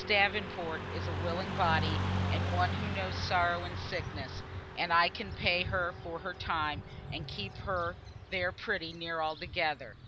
Davenport is a willing body, and one who knows sorrow and sickness, and I can pay her for her time, and keep her there pretty near altogether.